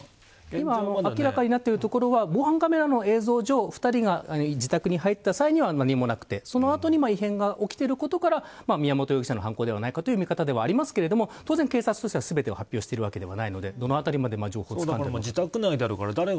今、明らかになっているところは防犯カメラの映像上２人に自宅に入った際には何もなくてその後に異変が起きていることから宮本容疑者の犯行ではないかという見方ではありますが当然、警察は発表してるわけではないのでどの辺りまでとは。状況をつかめるか。